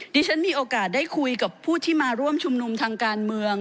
ดิฉันมีโอกาสได้คุยกับผู้ที่มาร่วมชุมนุมทางการเมือง